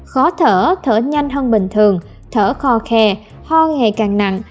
khó thở thở nhanh hơn bình thường thở kho khe ho ngày càng nặng